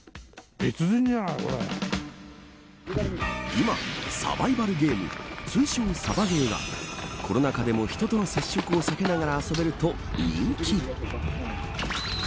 今、サバイバルゲーム通称、サバゲーがコロナ禍でも人との接触を避けながら遊べると人気。